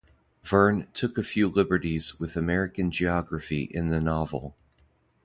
Verne took a few liberties with American geography in the novel.